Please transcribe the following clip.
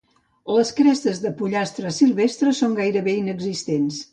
Les crestes dels pollastres silvestres són gairebé inexistents.